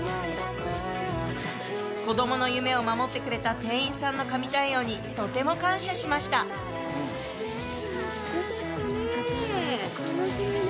［子供の夢を守ってくれた店員さんの神対応にとても感謝しました］よかったね。